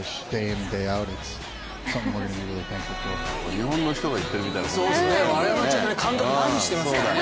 日本の人が言ってるみたいな感じだよね。